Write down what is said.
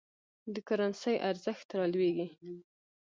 د کرنسۍ ارزښت رالویږي.